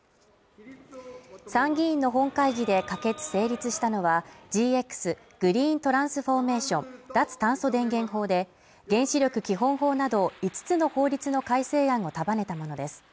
参議院の本会議で可決成立したのは、ＧＸ＝グリーントランスフォーメーション脱炭素電源法で、原子力基本法など五つの法律の改正案を束ねたものです。